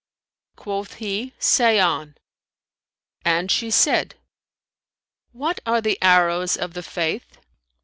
Quoth he, "Say on;" and she said, "What are the arrows of the Faith?"